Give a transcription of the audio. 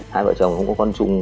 hai vợ chồng không có con chung